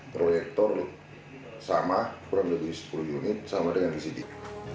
proyektor sama kurang lebih sepuluh unit sama dengan disidik